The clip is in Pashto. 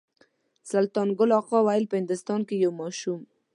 سلطان ګل اکا ویل په هندوستان کې یو ماشوم.